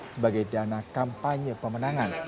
sebagai dana kampanye pemenangan